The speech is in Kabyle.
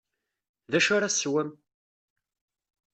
D acu ara teswem?